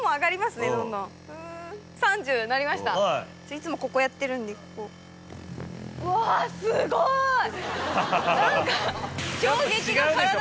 いつもここやってるんでここを。何か。